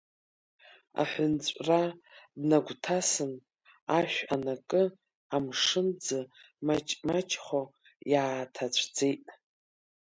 Аҳәынҵәра днагәҭасын, ашә анакы, амшын ӡы маҷхомаҷхо, иааҭацәӡеит.